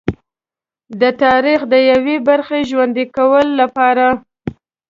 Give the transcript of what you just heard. د تاریخ د یوې برخې ژوندي کولو لپاره.